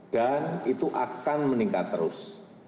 dan itu akan meningkat terus